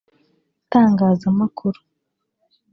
Itangazamakuru